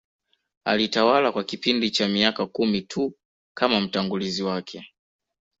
Alitawala kwa kipindi cha miaka kumi tu kama mtangulizi wake